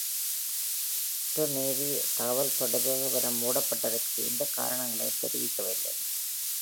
Stornoway தகவல்தொடர்பு நிறுவனம் மூடப்பட்டதற்கு எந்தக் காரணங்களையும் தெரிவிக்கவில்லை.